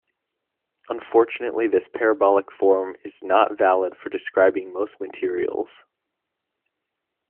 Unfortunately, this parabolic form is not valid for describing most materials.